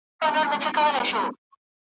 چي د رنځ په کړاو نه وي پوهېدلي `